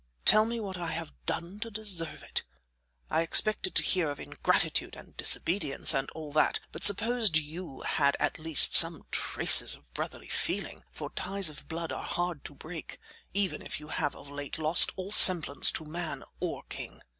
Tell me what I have done to deserve it? I expected to hear of ingratitude and disobedience and all that, but supposed you had at least some traces of brotherly feeling for ties of blood are hard to break even if you have of late lost all semblance to man or king."